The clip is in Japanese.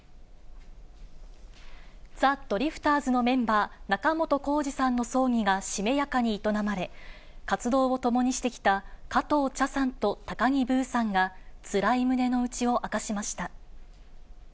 ザ・ドリフターズのメンバー、仲本工事さんの葬儀がしめやかに営まれ、活動を共にしてきた加藤茶さんと高木ブーさんが、つらい胸の内を明かしました。